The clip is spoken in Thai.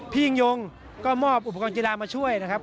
ยิ่งยงก็มอบอุปกรณ์กีฬามาช่วยนะครับ